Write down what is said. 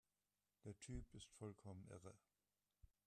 Der Typ ist vollkommen irre!